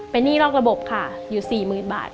เป็นหนี้นอกระบบค่ะอยู่๔๐๐๐บาท